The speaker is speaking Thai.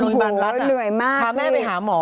โรงพยาบันรัชครับพาแม่ไปหาหมอ